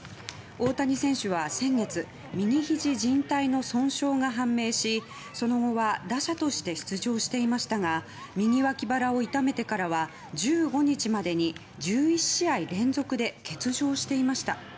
大谷選手は先月右ひじじん帯の損傷が判明しその後は打者として出場していましたが右脇腹を痛めてからは１５日までに１１試合連続で欠場していました。